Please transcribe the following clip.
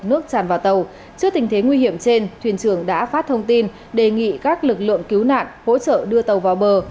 nước tràn vào tàu trước tình thế nguy hiểm trên thuyền trưởng đã phát thông tin đề nghị các lực lượng cứu nạn hỗ trợ đưa tàu vào bờ